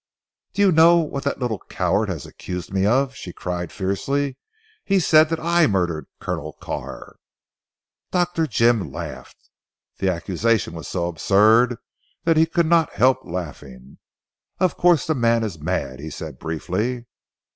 "Do you know what that little coward has accused me of?" she cried fiercely. "He said that I murdered Colonel Carr!" Dr. Jim laughed. The accusation was so absurd that he could not help laughing. "Of course the man is mad," he said briefly.